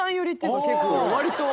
割と。